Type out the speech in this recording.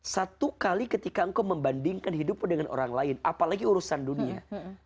satu kali ketika engkau membandingkan hidupmu dengan orang lain apalagi urusan dunia